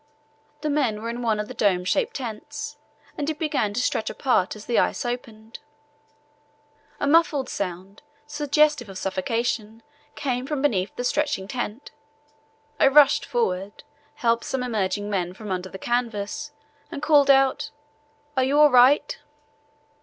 The men were in one of the dome shaped tents, and it began to stretch apart as the ice opened. A muffled sound, suggestive of suffocation, came from beneath the stretching tent. I rushed forward, helped some emerging men from under the canvas, and called out, "Are you all right?"